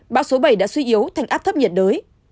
bão số bảy đã suy yếu thành áp thấp nhiệt đới